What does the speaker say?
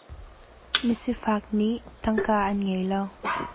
Misifak nih tangka an ngei lo.